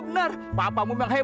kok papa kenapa sih